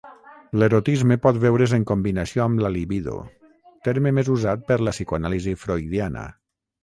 L'erotisme pot veure's en combinació amb la libido, terme més usat per la psicoanàlisi freudiana.